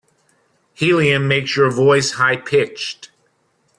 Helium makes your voice high pitched.